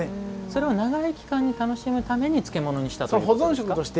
長い期間に楽しむために漬物にしたということですか？